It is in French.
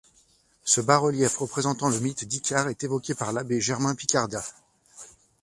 Ce bas relief représentant le mythe d'Icare est évoqué par l'abbé Germain Picardat.